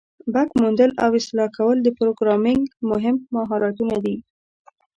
بګ موندل او اصلاح کول د پروګرامینګ مهم مهارتونه دي.